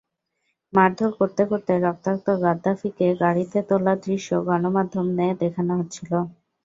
মারধর করতে করতে রক্তাক্ত গাদ্দাফিকে গাড়িতে তোলার দৃশ্য গণমাধ্যমে দেখানো হচ্ছিল।